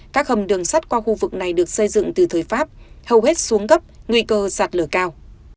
các hầm đường sắt qua khu vực này được xây dựng từ thời pháp hầu hết xuống gấp nguy cơ sạt lửa cao